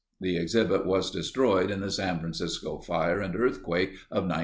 The exhibit was destroyed in the San Francisco fire and earthquake of 1906.